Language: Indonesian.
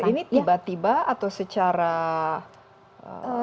ini tiba tiba atau secara pelan pelan